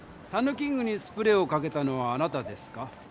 キングにスプレーをかけたのはあなたですか？